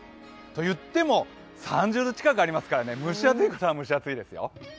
といっても３０度近くありますから蒸し暑いことは蒸し暑いですよ。